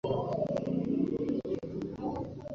বলল, আপনার ধর্ম গ্রহণের ব্যাপার আমার কোন প্রকার অনাগ্রহ নেই।